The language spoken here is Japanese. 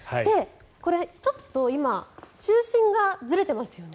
これ、ちょっと今中心がずれていますよね。